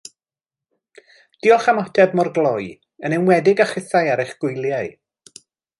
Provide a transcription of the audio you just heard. Diolch am ateb mor gloi, yn enwedig a chithau ar eich gwyliau